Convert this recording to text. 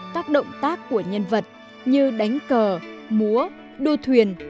các động tác của nhân vật như đánh cờ múa đua thuyền